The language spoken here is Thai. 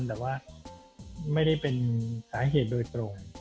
แต่ว่าไม่ได้เป็นสาเหตุโดยตรง